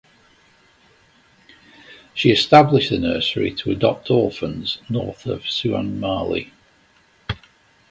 She established the nursery to adopt orphans north of Suan Mali.